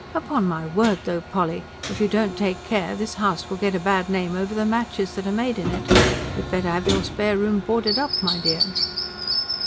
Upon my word though, Polly, if you don't take care, this house will get a bad name over the matches that are made in it. You had better have your spare room boarded up, my dear."